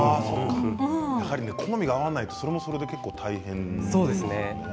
やはり好みが合わないとそれは、それで大変ですね。